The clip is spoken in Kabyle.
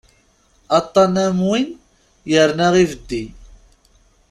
Aṭṭan am win yerna ibeddi.